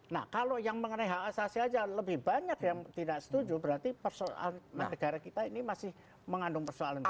nah kalau yang mengenai hak asasi aja lebih banyak yang tidak setuju berarti persoalan negara kita ini masih mengandung persoalan